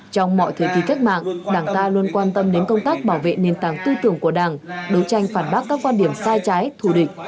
trong mọi thời kỳ cách mạng đảng ta luôn quan tâm đến công tác bảo vệ nền tảng tư tưởng của đảng đấu tranh phản bác các quan điểm sai trái thù địch